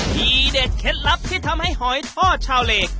เด็ดเคล็ดลับที่ทำให้หอยทอดชาวเล